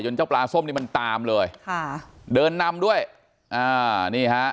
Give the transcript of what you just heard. เจ้าปลาส้มนี่มันตามเลยค่ะเดินนำด้วยอ่านี่ฮะ